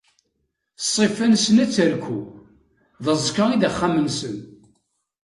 Ṣṣifa-nsen ad terku, d aẓekka i d axxam-nsen.